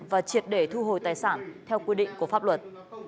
và triệt để thu hồi tài sản theo quy định của pháp luật